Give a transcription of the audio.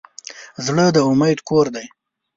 زړه د امید کور دی.